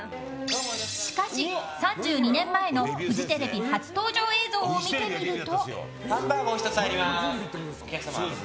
しかし３２年前のフジテレビ初登場映像を見てみると。